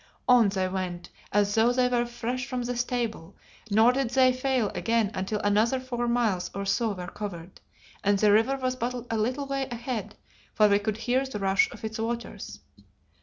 On they went as though they were fresh from the stable, nor did they fail again until another four miles or so were covered and the river was but a little way ahead, for we could hear the rush of its waters.